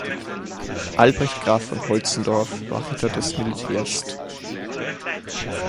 Albrecht Graf von Holtzendorff war Ritter des Militär-St.